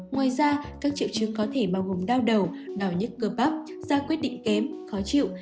ngoài ra các triệu chứng có thể bao gồm đau đầu đau nhất cơ bắp da quyết định kém khó chịu